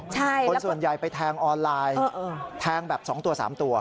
คนส่วนใหญ่ไปแทงออนไลน์แทงแบบ๒ตัว๓ตัว